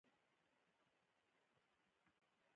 ښتې د افغان ښځو په ژوند کې رول لري.